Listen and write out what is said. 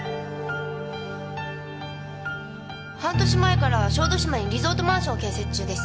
半年前から小豆島にリゾートマンションを建設中です。